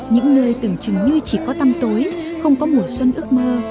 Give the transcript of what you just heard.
những nơi tưởng chừng như chỉ có tăm tối không có mùa xuân ước mơ